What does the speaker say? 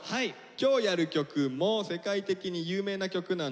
今日やる曲も世界的に有名な曲なんですけどね